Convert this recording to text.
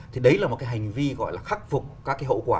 những cái hành vi gọi là khắc phục các cái hậu quả